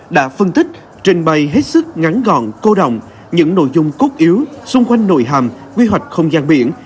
đã phân tích trình bày hết sức ngắn gọn cô động những nội dung cốt yếu xung quanh nội hàm quy hoạch không gian biển